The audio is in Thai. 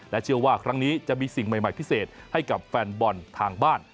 เชื่อว่าครั้งนี้จะมีสิ่งใหม่พิเศษให้กับแฟนบอลทางบ้าน